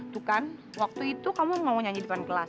tuh kan waktu itu kamu ngomong nyanyi di depan kelas